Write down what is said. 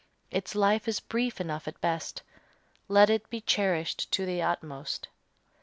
Its life is brief enough at best. Let it be cherished to the utmost.